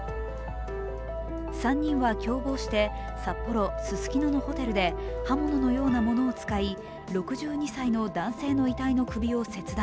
３人は共謀して、札幌・ススキノのホテルで刃物のようなものを使い６２歳の男性の遺体の首を切断。